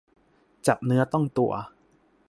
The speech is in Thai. จับเนื้อต้องตัว